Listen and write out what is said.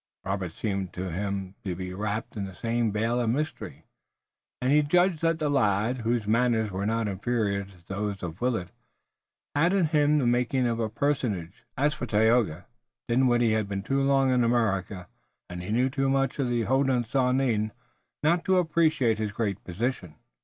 Robert seemed to him to be wrapped in the same veil of mystery, and he judged that the lad, whose manners were not inferior to those of Willet, had in him the making of a personage. As for Tayoga, Dinwiddie had been too long in America and he knew too much of the Hodenosaunee not to appreciate his great position.